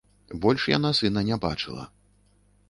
Больш яна сына не бачыла.